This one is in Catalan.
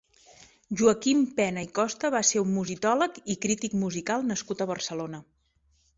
Joaquim Pena i Costa va ser un musicòleg i crític musical nascut a Barcelona.